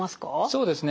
そうですね。